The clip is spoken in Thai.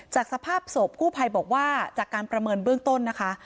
สภาพศพกู้ภัยบอกว่าจากการประเมินเบื้องต้นนะคะ